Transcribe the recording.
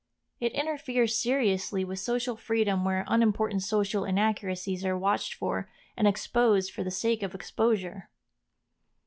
It interferes seriously with social freedom where unimportant social inaccuracies are watched for and exposed for the sake of exposure.